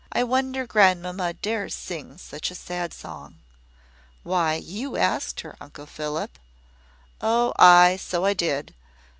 "I wonder grandmamma dares sing such a sad song." "Why, you asked her, Uncle Philip." "Oh, ay, so I did.